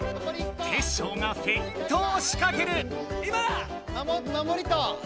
テッショウがフェイントをしかける！